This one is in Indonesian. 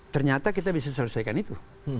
ternyata kita bisa selesaikan itu